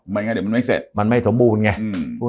มันยังไงเดี๋ยวมันไม่เสร็จมันไม่สมบูรณ์ไงอืม